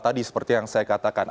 tadi seperti yang saya katakan